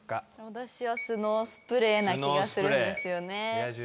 私はスノースプレーな気がするんですよね